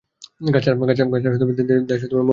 গাছ ছাড়া দেশ মরুভূমিতে পরিণত হয়।